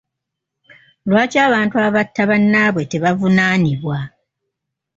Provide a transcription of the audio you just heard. Lwaki abantu abatta bannaabwe tebavunaanibwa?